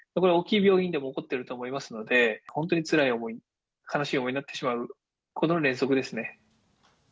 大きい病院でも起こっていると思いますので、本当につらい思い、悲しい思いになってしまうことの連続ですね。